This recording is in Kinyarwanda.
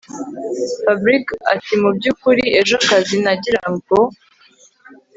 Fabric atimubyukuri ejo akazi nagiraga ngo